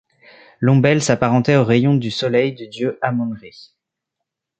L'ombelle s'apparentait aux rayons du soleil du dieu Amon-Rê.